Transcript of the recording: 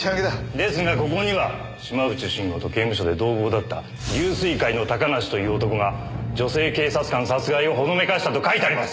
ですがここには島内慎吾と刑務所で同房だった龍翠会の高梨という男が女性警察官殺害をほのめかしたと書いてあります！